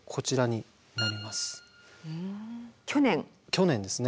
去年ですね。